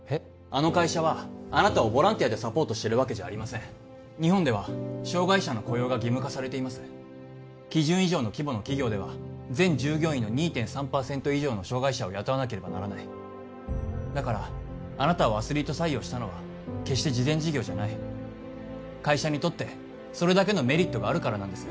あの会社はあなたをボランティアでサポートしてるわけじゃありません日本では障がい者の雇用が義務化されています基準以上の規模の企業では全従業員の２．３％以上の障がい者を雇わなければならないだからあなたをアスリート採用したのは決して慈善事業じゃない会社にとってそれだけのメリットがあるからなんです